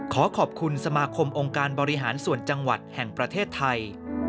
ขอขอบคุณสมาคมองค์การบริหารส่วนจังหวัดแห่งประเทศไทย